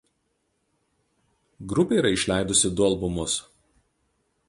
Grupė yra išleidusi du albumus.